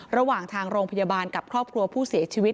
ระหว่างทางโรงพยาบาลกับครอบครัวผู้เสียชีวิต